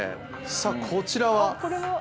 さぁこちらは？